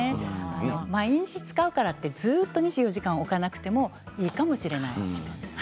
毎日使うからと２４時間置かなくてもいいかもしれない。